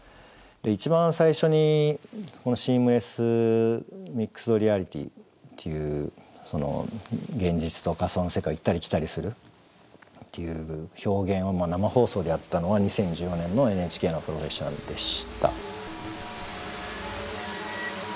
一番最初に「ＳｅａｍｌｅｓｓＭｉｘｅｄＲｅａｌｉｔｙ」っていう現実と仮想の世界を行ったり来たりするっていう表現を生放送でやったのは２０１４年のＮＨＫの「プロフェッショナル」でした。